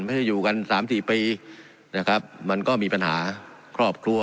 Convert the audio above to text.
ไม่ใช่อยู่กันสามสี่ปีนะครับมันก็มีปัญหาครอบครัว